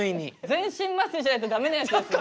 全身麻酔しないとダメなやつですよね？